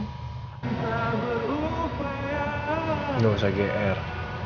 nggak usah gr